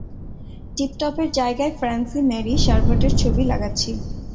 টিপটপের জায়গায় ফ্র্যাঁসি ম্যারি শারভেটের ছবি লাগাচ্ছি।